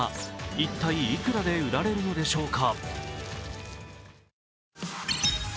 一体いくらで売られるのでしょうか？